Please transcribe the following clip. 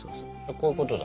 こういうことだ。